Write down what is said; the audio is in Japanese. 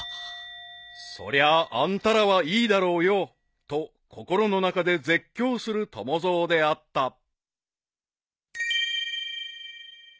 ［「そりゃあんたらはいいだろうよ」と心の中で絶叫する友蔵であった］